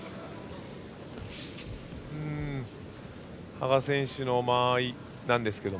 羽賀選手の間合いなんですが。